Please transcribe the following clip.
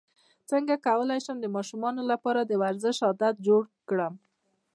څنګه کولی شم د ماشومانو لپاره د ورزش عادت جوړ کړم